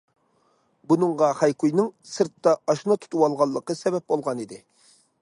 بۇنىڭغا خەي كۈينىڭ سىرتتا ئاشنا تۇتۇۋالغانلىقى سەۋەب بولغانىدى.